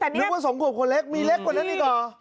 นึกว่า๒ขวบคนเล็กมีเล็กกว่านั้นอีกเหรอ